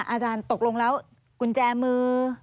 อาจารย์ตกลงแล้วกุญแจมือ